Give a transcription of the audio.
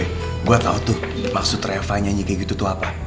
gue tau tuh maksud reva nyanyi kayak gitu tuh apa